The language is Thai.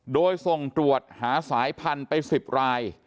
โดยส่งตรวจหาสายพันธุ์ไป๑๐ราย